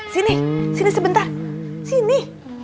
sini sini sebentar sini